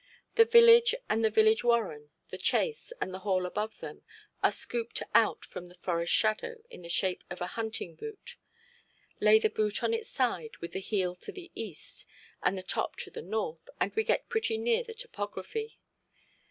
The village and the village warren, the chase, and the Hall above them, are scooped from out the forest shadow, in the shape of a hunting boot. Lay the boot on its side with the heel to the east, and the top towards the north, and we get pretty near the topography.